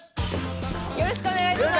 よろしくお願いします。